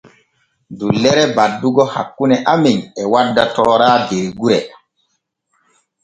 Dullere baddugo hakkune amen e wadda toora der gure.